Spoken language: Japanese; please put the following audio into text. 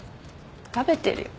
食べてるよ。